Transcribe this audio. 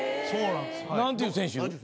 何ていう選手？